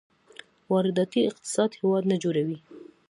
وارداتي اقتصاد هېواد نه جوړوي.